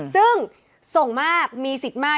ซึ่งส่งมากมีสิทธิ์มาก